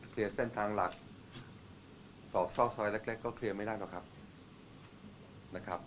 เคลียร์เส้นทางหลักตรอกซอกซอยเล็กก็เคลียร์ไม่ได้หรอกครับ